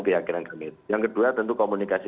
keyakinan kami yang kedua tentu komunikasi